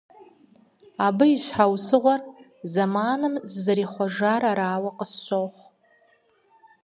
Абы и щхьэусыгъуэр зэманым зэрызихъуэжар арауэ къысщохъу.